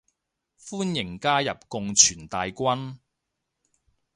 歡迎加入共存大軍